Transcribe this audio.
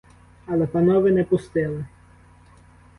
Але панове не пустили.